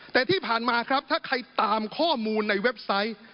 แต่ที่ผ่านมาครับถ้าใครตามข้อมูลในเว็บไซต์